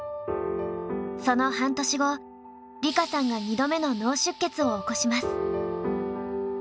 その半年後梨花さんが２度目の脳出血を起こします。